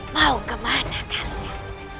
mau kemana kalian